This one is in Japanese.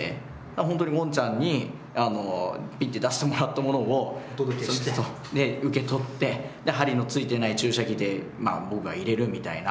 本当にゴンちゃんにピッて出してもらったものを受け取って針のついてない注射器で僕が入れるみたいな。